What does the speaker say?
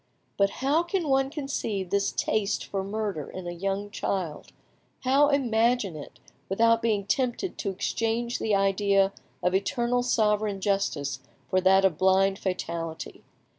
But how can one conceive this taste for murder in a young child, how imagine it, without being tempted to exchange the idea of eternal sovereign justice for that of blind fatality?